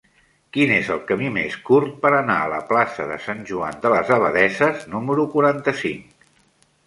Quin és el camí més curt per anar a la plaça de Sant Joan de les Abadesses número quaranta-cinc?